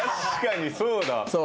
確かにそうだ。